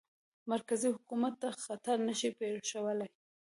مرکزي حکومت ته خطر نه شي پېښولای.